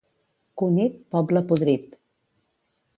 Cunit, poble podrit.